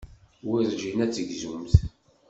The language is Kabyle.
Werǧin ad tegzumt.